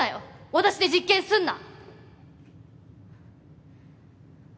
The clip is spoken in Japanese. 私で実験すんな！